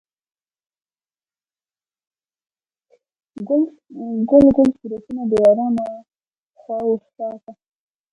ګل ګل صورتونه، د یارانو و خواو شاته